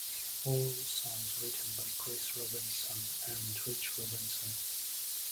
All songs written by Chris Robinson and Rich Robinson.